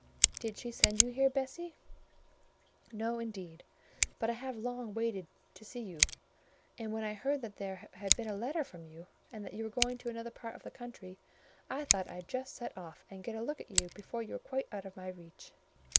"Did she send you here, Bessie?" "No, indeed: but I have long wanted to see you, and when I heard that there had been a letter from you, and that you were going to another part of the country, I thought I'd just set off, and get a look at you before you were quite out of my reach."